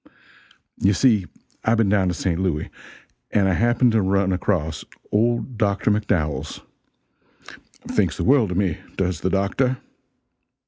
You see, I've been down to St. Louis, and I happened to run across old Dr. McDowells thinks the world of me, does the doctor.